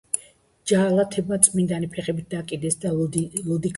ჯალათებმა წმინდანი ფეხებით დაკიდეს და ლოდი გამოაბეს.